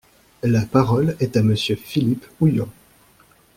La parole est à Monsieur Philippe Houillon.